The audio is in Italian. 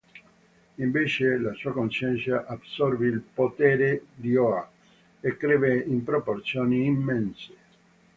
Invece, la sua coscienza assorbì il potere di Oa e crebbe in proporzioni immense.